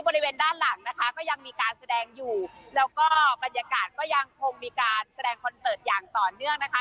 บริเวณด้านหลังนะคะก็ยังมีการแสดงอยู่แล้วก็บรรยากาศก็ยังคงมีการแสดงคอนเสิร์ตอย่างต่อเนื่องนะคะ